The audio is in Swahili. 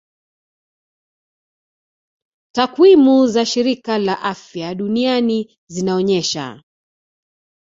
Takwimu za shirika la afya duniani zinaonyesha